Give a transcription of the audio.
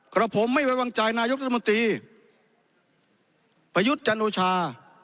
กระผมไม่ไว้วางจัยนายกตัวมนตรีประยุทธ์จันทรวชา